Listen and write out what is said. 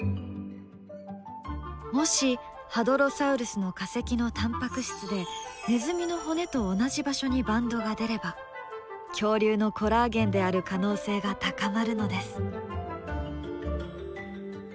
もしハドロサウルスの化石のタンパク質でネズミの骨と同じ場所にバンドが出れば恐竜のコラーゲンである可能性が高まるのです。